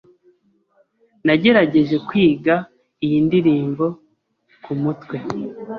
Nagerageje kwiga iyi ndirimbo kumutwe.